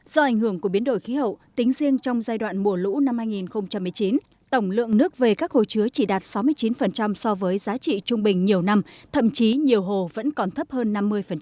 do ảnh hưởng của biến đổi khí hậu tính riêng trong giai đoạn mùa lũ năm hai nghìn một mươi chín tổng lượng nước về các hồ chứa chỉ đạt sáu mươi chín so với giá trị trung bình nhiều năm thậm chí nhiều hồ vẫn còn thấp hơn năm mươi